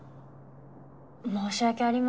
申し訳ありませんが。